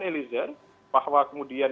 eliezer bahwa kemudian